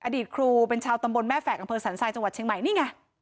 อดีตครูเป็นชาวตำบลแม่แฝกอำเภอสันทรายจังหวัดเชียงใหม่นี่ไง